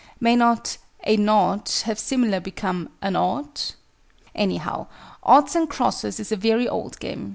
May not "a nought" have similarly become "an ought"? Anyhow, "oughts and crosses" is a very old game.